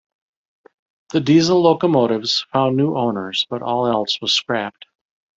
The diesel locomotives found new owners, but all else was scrapped.